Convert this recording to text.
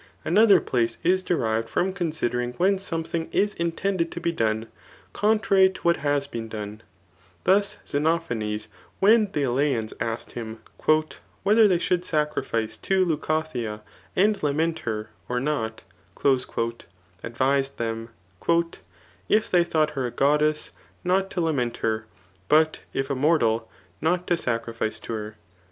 Another place is derived from considering when something is in^ tended to be done, contrary to what has been done* Thus Xenophanes when the Eleans asked him, <* whether they should sacrifice to Leucothea, and lament her, or not, advised them, *• If they thought her a goddess, not to lament her; but if a mortal, not to sacrifice to Imr."